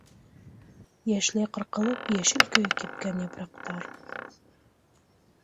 Йәшләй ҡырҡылып, йәшел көйө кипкән япраҡтар...